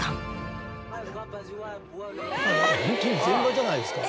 ホントに全裸じゃないですか。